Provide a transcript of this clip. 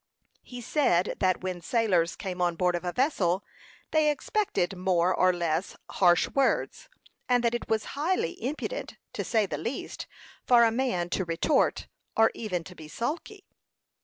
He said that when sailors came on board of a vessel they expected more or less harsh words, and that it was highly impudent, to say the least, for a man to retort, or even to be sulky.